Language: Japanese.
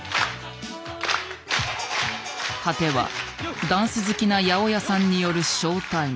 果てはダンス好きな八百屋さんによるショータイム。